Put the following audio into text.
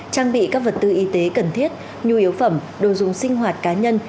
trang bị các vật tư y tế cần thiết nhu yếu phẩm đồ dùng sinh hoạt cá nhân